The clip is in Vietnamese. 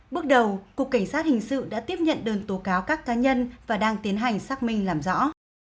bước đầu cục cảnh sát hình sự đã tiếp nhận đơn tố cáo các cá nhân và đang tiến hành xác minh làm rõ